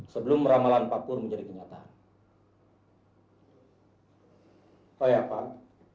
sebelum ramalan pak pur menjadi kenyataan